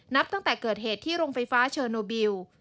นับตั้งแต่เกิดเหตุที่โรงไฟฟ้าเชอร์โนบิล